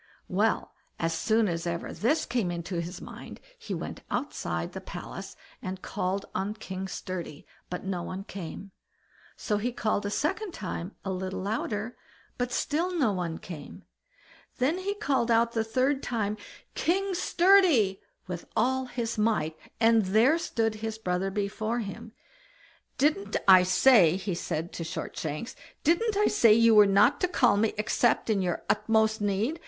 Well, as soon as ever this came into his mind, he went outside the palace and called on King Sturdy, but no one came. So he called a second time a little louder, but still no one came. Then he called out the third time "King Sturdy" with all his might, and there stood his brother before him. "Didn't I say!" he said to Shortshanks, "didn't I say you were not to call me except in your utmost need?